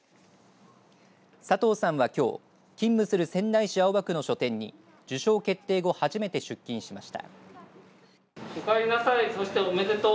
佐藤さんはきょう勤務する仙台市青葉区の書店に受賞決定後初めて出勤しました。